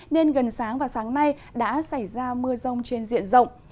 nên gần sáng và sáng nay đã xảy ra mưa rông trên diện rộng